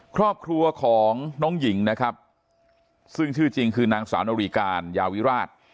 ครอบครัวของน้องหญิงนะครับซึ่งชื่อจริงคือนางสาวนรีการยาวิราช